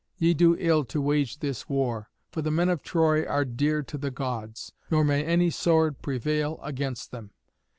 Ye do ill to wage this war: for the men of Troy are dear to the Gods, nor may any sword prevail against them.